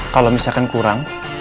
kalau misalkan kurang